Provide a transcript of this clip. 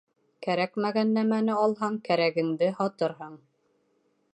Кәрәкмәгән нәмәне алһаң, кәрәгеңде һатырһың.